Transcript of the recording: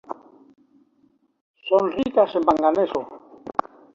Son ricas en manganeso.